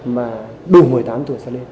mà đủ một mươi tám tuổi xa lên